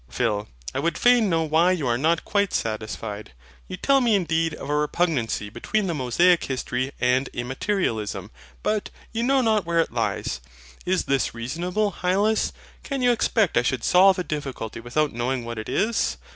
PHIL. I would fain know why you are not quite satisfied. You tell me indeed of a repugnancy between the Mosaic history and Immaterialism: but you know not where it lies. Is this reasonable, Hylas? Can you expect I should solve a difficulty without knowing what it is?